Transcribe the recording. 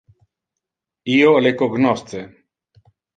Io le cognosce.